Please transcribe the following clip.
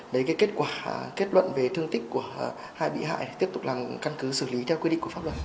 để kết quả kết luận về thương tích của hai bị hại tiếp tục là căn cứ xử lý theo quy định của pháp luật